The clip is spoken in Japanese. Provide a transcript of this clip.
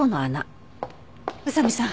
宇佐見さん